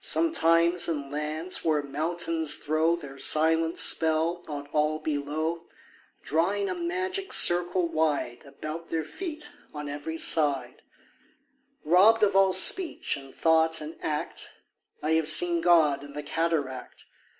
Sometimes in lands where mountains throw Their silent spell on all below, Drawing a magic circle wide About their feet on every side, Robbed of all speech and thought and act, I have seen God in the cataract.